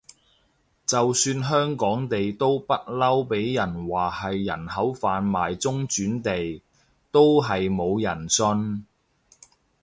就算香港地都不嬲畀人話係人口販賣中轉地，都係冇人信